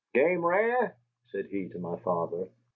"Game rare?" said he to my father.